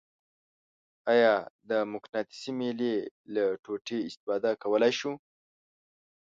آیا د مقناطیسي میلې له ټوټې استفاده کولی شو؟